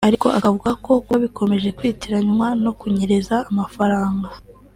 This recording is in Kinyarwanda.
ariko akavuga ko kuba bikomeje kwitiranywa no kunyereza amafaranga